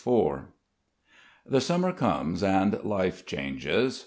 IV The summer comes and life changes.